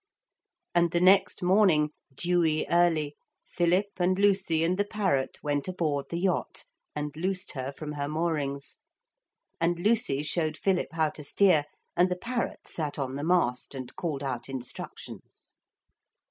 And the next morning, dewy early, Philip and Lucy and the parrot went aboard the yacht and loosed her from her moorings, and Lucy showed Philip how to steer, and the parrot sat on the mast and called out instructions.